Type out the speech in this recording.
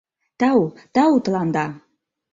— Тау, тау тыланда!